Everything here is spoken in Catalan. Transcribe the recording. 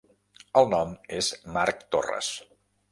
El nom es Marc Torres.